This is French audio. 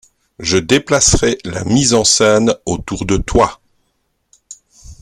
Je déplacerai la mise en scène autour de toi.